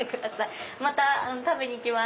また食べに来ます。